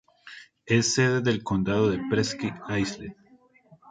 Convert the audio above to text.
Es sede del condado de Presque Isle.